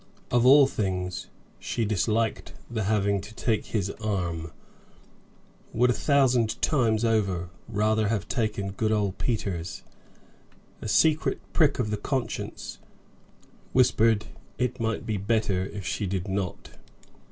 Of all things, she disliked the having to take his arm, would a thousand times over rather have taken good old Peter's. A secret prick of the conscience whispered it might be better if she did not.